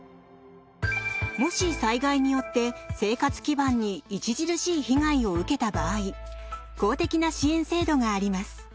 もし災害によって生活基盤に著しい被害を受けた場合公的な支援制度があります。